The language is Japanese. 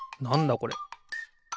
これ。